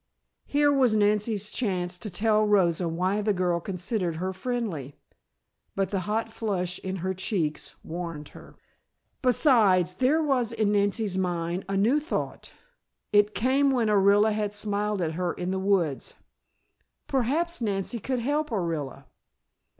Here was Nancy's chance to tell Rosa why the girl considered her friendly. But the hot flush in her cheeks warned her. Besides, there was in Nancy's mind a new thought. It came when Orilla had smiled at her in the woods. Perhaps Nancy could help Orilla!